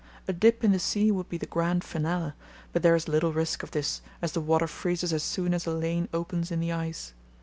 A dip in the sea would be the grand finale, but there is little risk of this as the water freezes as soon as a lane opens in the ice.